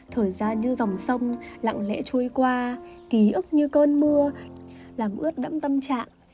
thời gian như dòng sông lặng lẽ trôi qua ký ức như cơn mưa làm ướt đẫm tâm trạng